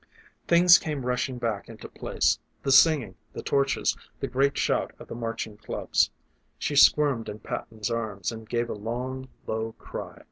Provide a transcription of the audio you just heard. Things came rushing back into place the singing, the torches, the great shout of the marching clubs. She squirmed in Patton's arms and gave a long low cry.